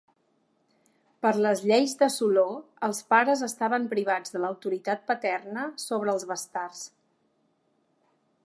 Per les lleis de Soló els pares estaven privats de l'autoritat paterna sobre els bastards.